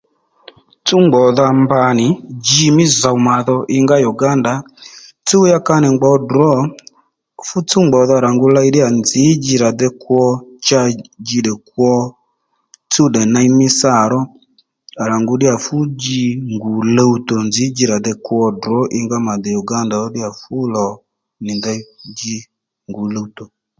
Tsúw nbgò dha mba nì ji mí zòw mà dho i ngá Uganda tsúw ya ka nì ngbǒ ddrǒ fú tsúw ngbò dha rà ngu ley ddíya nzǐ ji rà dey kwo cha ji tdè kwo tsúw tdè ney mí sǎ ró à rà ngu ddiya fú ji ngù luwtò nzǐ ji rà dey kwo ddrǒ i ngá mà dè Uganda ddíya fú lò nì ndey ji ngǔ luwtò